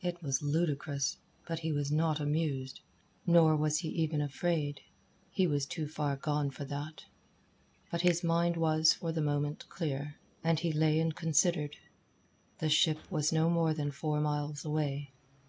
It was ludicrous, but he was not amused. Nor was he even afraid. He was too far gone for that. But his mind was for the moment clear, and he lay and considered. The ship was no more than four miles away.